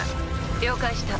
了解した。